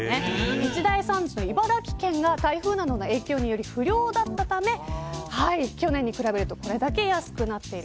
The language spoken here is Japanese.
一大産地の茨城県が、台風などの影響で不良だったため去年に比べるとこれだけ安くなっている。